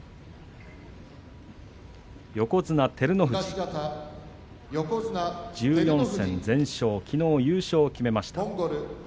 横綱照ノ富士、１４戦全勝きのう優勝を決めました。